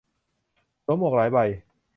สวมหมวกหลายใบ